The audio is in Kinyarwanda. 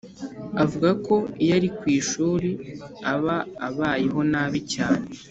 avuga ko iyo ari kwishuri aba abayeho nabi cyane